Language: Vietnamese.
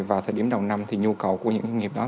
vào thời điểm đầu năm thì nhu cầu của những doanh nghiệp đó